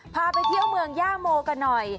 พาไปเที่ยวเมืองย่าโมกันหน่อย